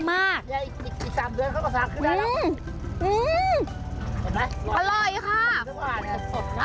อร่อยค่ะ